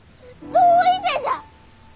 どういてじゃ！